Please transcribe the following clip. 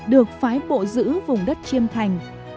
được phái bộ giữ vùng đất chiêm thành